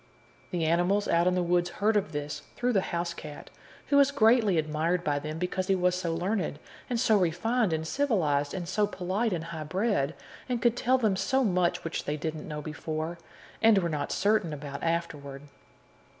The animals out in the woods heard of this through the housecat, who was greatly admired by them because he was so learned, and so refined and civilized, and so polite and high bred, and could tell them so much which they didn't know before, and were not certain about afterward.